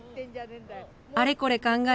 あれこれ考え